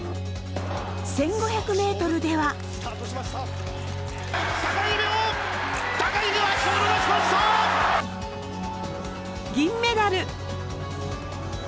１５００ｍでは銀メダル。